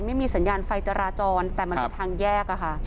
ไม่มีสัญญาณไฟจราจรแต่มันเป็นทางแยกอะค่ะ